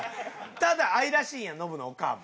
ただ愛らしいやんノブのおかあも。